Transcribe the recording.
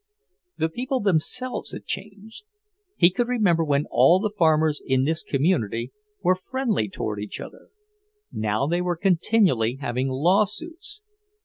The people themselves had changed. He could remember when all the farmers in this community were friendly toward each other; now they were continually having lawsuits.